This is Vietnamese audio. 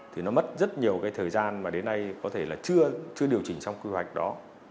thì nó mất rất nhiều cái thời gian mà đến nay có thể là chưa điều chỉnh trong quy hoạch đó